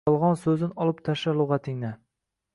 Yolgon suzin olib tashla lugatingdan